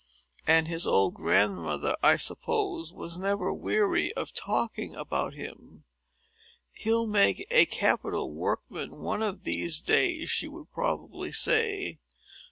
And his old grandmother, I suppose, was never weary of talking about him. "He'll make a capital workman, one of these days," she would probably say.